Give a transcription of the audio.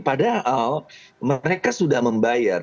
padahal mereka sudah membayar